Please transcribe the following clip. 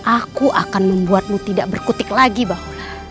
aku akan membuatmu tidak berkutik lagi bahwa